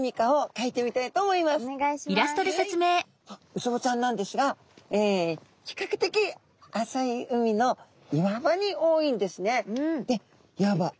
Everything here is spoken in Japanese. ウツボちゃんなんですが比較的浅い海の岩場に多いんですね。